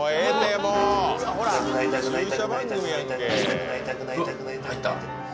痛くない痛くない痛くない痛くない。